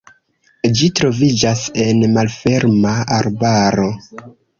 Ĝi troviĝas en malferma arbaro.